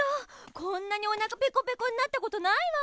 こんなにおなかペコペコになったことないわ。